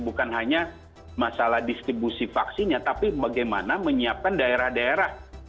bukan hanya masalah distribusi vaksinnya tapi bagaimana menyiapkan daerah daerah